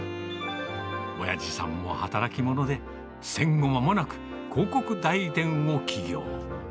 おやじさんは働き者で、戦後まもなく、広告代理店を起業。